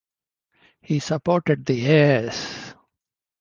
He supported the Yes!